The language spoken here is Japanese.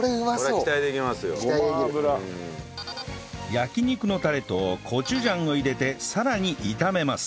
焼肉のたれとコチュジャンを入れてさらに炒めます